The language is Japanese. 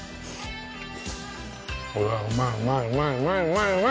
うわうまいうまいうまい。